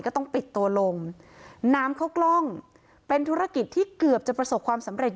ก็ต้องปิดตัวลงน้ำเข้ากล้องเป็นธุรกิจที่เกือบจะประสบความสำเร็จ